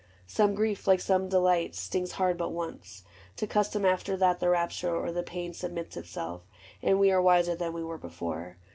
Some grief, like some delight, Stings hard but once : to custom after that The rapture or the pain submits itself. And we are wiser than we were before.